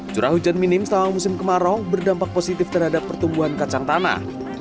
curah hujan minim selama musim kemarau berdampak positif terhadap pertumbuhan kacang tanah